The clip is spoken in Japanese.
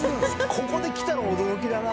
ここできたら驚きだな。